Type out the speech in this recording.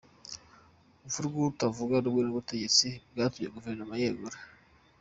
Urupfu rw’utavuga rumwe n’ubutegetsi rwatumye Guverinoma yegura